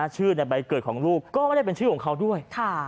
ชื่อในใบเกิดของลูกก็ไม่ได้เป็นชื่อของเขาด้วย